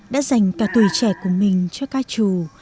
đã dành cả tuổi trẻ của mình cho ca trù